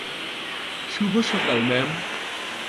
শুভ সকাল, ম্যাম।